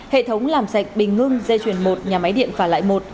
hệ thống làm sạch bình ngưng dây chuyển một nhà máy điện phà lại một